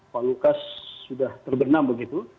pak lukas sudah terbenam begitu